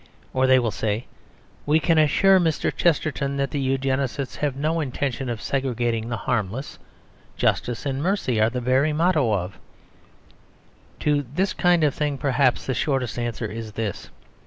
Or they will say "We can assure Mr. Chesterton that the Eugenists have no intention of segregating the harmless; justice and mercy are the very motto of " etc. To this kind of thing perhaps the shortest answer is this.